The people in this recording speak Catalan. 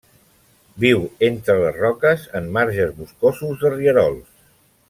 Viu entre les roques en marges boscosos de rierols.